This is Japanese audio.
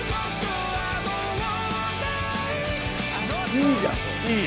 いいじゃんこれ。